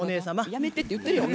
やめてって言ってるやん。